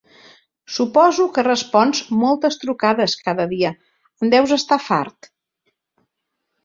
Suposo que respons moltes trucades cada dia, en deus estar fart.